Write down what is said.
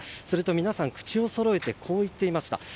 すると皆さん口をそろえてこう言っていました。